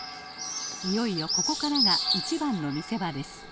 いよいよここからが一番の見せ場です。